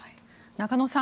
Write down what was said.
中野さん